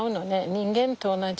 人間と同じ。